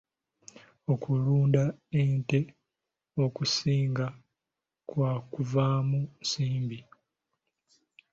Okulunda ente okusinga kwa kuvaamu nsimbi.